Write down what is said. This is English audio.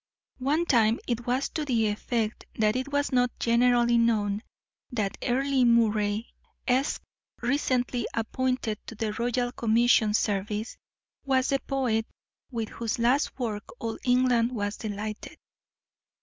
One time it was to the effect that it was not generally known that Earle Moray, Esq., recently appointed to the royal commission service, was the poet with whose last work all England was delighted.